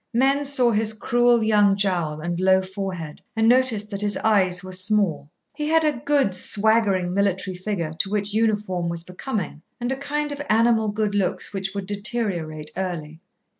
Men saw his cruel young jowl and low forehead, and noticed that his eyes were small. He had a good, swaggering military figure to which uniform was becoming, and a kind of animal good looks which would deteriorate early.